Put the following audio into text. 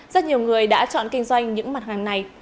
rất nhiều người đã chọn kinh doanh những mặt hàng này